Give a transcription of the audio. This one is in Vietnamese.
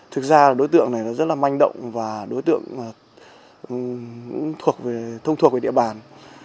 thực ra đối tượng này rất là manh động và đối tượng thông thuộc về địa bàn